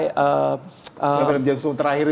film james bond terakhir itu ya